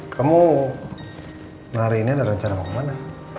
kamu nari ini ada rencana mau kemana